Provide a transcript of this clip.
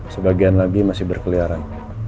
sebagian lagi masih berkeliaran